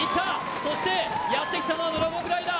そしてやってきたのはドラゴングライダー。